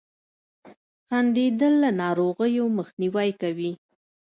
• خندېدل له ناروغیو مخنیوی کوي.